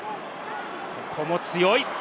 ここも強い。